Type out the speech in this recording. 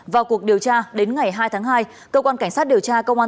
vào cuộc điều tra đến ngày hai tháng hai cơ quan cảnh sát điều tra công an